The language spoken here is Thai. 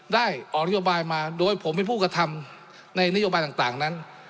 ได้ออกนโยบายมาโดยผมเป็นผู้กระทำในนโยบายต่างนั้น